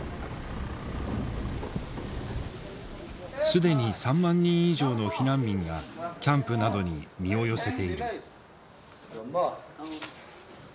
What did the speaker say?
既に３万人以上の避難民がキャンプなどに身を寄せている。